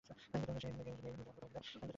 সে তো এখানে নেই যে নিজের পক্ষে কথা বলবে।